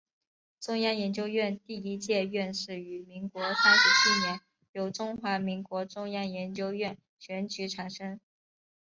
中央研究院第一届院士于民国三十七年由中华民国中央研究院选举产生。